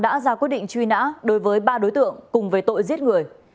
đã ra quyết định truy nã đối với ba đối tượng cùng về tội giết người